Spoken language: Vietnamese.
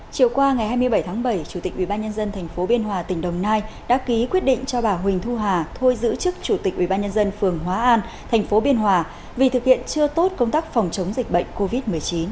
chiều qua ngày hai mươi bảy tháng bảy chủ tịch ubnd tp biên hòa tỉnh đồng nai đã ký quyết định cho bà huỳnh thu hà thôi giữ chức chủ tịch ubnd phường hóa an thành phố biên hòa vì thực hiện chưa tốt công tác phòng chống dịch bệnh covid một mươi chín